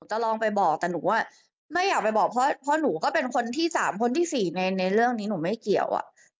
จะลองไปบอกแต่หนูว่าไม่อยากไปบอกเพราะหนูก็เป็นคนที่๓คนที่๔ในเรื่องนี้หนูไม่เกี่ยว